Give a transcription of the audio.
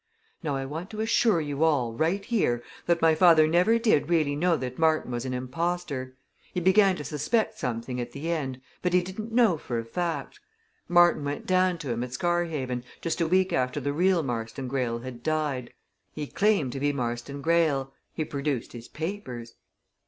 Now I want to assure you all, right here, that my father never did really know that Martin was an imposter. He began to suspect something at the end, but he didn't know for a fact. Martin went down to him at Scarhaven, just a week after the real Marston Greyle had died. He claimed to be Marston Greyle, he produced his papers.